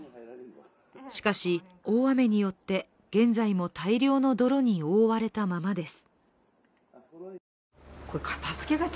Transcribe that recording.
しかし大雨によって、現在も大量の泥に覆われたままです。